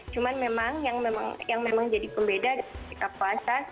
cuman memang yang memang jadi pembeda ketika puasa